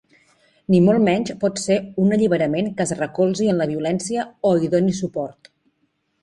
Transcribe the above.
Ni molt menys pot ser un alliberament que es recolzi en la violència o hi doni suport.